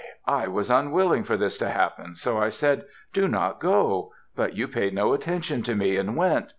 I was unwilling for this to happen, so I said, 'Do not go,' but you paid no attention to me, and went.